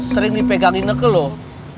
sering dipegang ineke loh